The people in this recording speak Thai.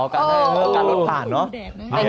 การรถผ่านเนอะ